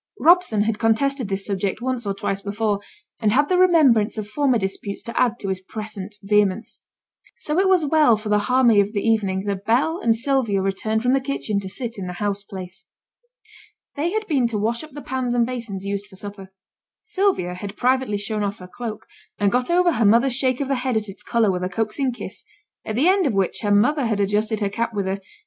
Robson had contested this subject once or twice before, and had the remembrance of former disputes to add to his present vehemence. So it was well for the harmony of the evening that Bell and Sylvia returned from the kitchen to sit in the house place. They had been to wash up the pans and basins used for supper; Sylvia had privately shown off her cloak, and got over her mother's shake of the head at its colour with a coaxing kiss, at the end of which her mother had adjusted her cap with a 'There! there!